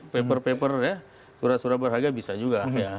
paper paper ya surat surat berharga bisa juga